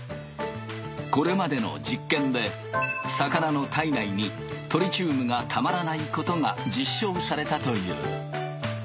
これまでの実験で魚の体内にトリチウムがたまらないことが実証されたという。